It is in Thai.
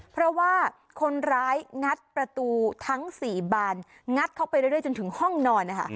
เพราะว่าคนร้ายงัดประตูทั้ง๔บานงัดเข้าไปเรื่อยจนถึงห้องนอนนะคะ